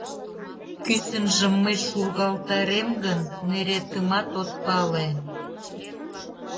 Кӱсынжым мый шургалтарем гын, неретымат от пале.